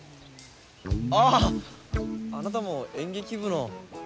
あああなたも演劇部の？